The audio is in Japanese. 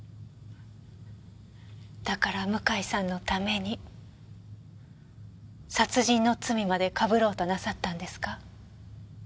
だから向井さんのために殺人の罪まで被ろうとなさったんですか？